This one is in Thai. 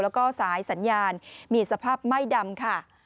และสายสัญญาณมีสภาพไม่ดำ